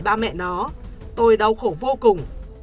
ba mẹ nó tôi đau khổ vô cùng